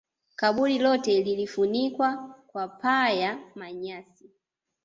kaburi lote lilifunikwa kwa paa ya manyasi